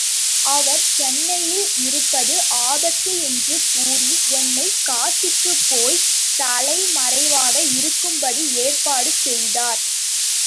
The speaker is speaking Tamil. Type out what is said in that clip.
அவர் சென்னையில் இருப்பது ஆபத்து என்று கூறி என்னை காசிக்குப் போய் தலைமறைவாக இருக்கும்படி ஏற்பாடு செய்தார்.